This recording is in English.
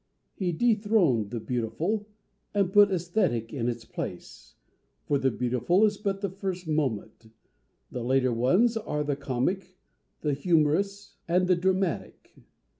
He dethroned the Beautiful, and put Aesthetic in its place, for the Beautiful is but the first moment; the later ones are the Comic, the Humorous, and the Dramatic.